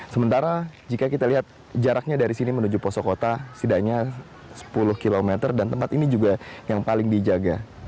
sementara jika kita lihat jaraknya dari sini menuju poso kota setidaknya sepuluh km dan tempat ini juga yang paling dijaga